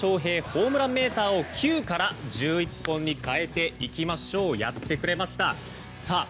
ホームランメーターを９から１１本に変えていきましょう。